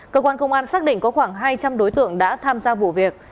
cơ quan công an xác định có khoảng hai trăm linh đối tượng đã tham gia vụ việc